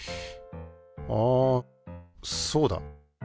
あそうだ。